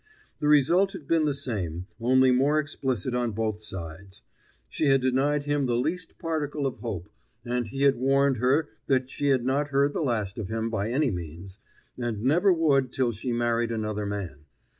The result had been the same, only more explicit on both sides. She had denied him the least particle of hope, and he had warned her that she had not heard the last of him by any means, and never would till she married another man.